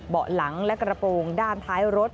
เบาะหลังและกระโปรงด้านท้ายรถ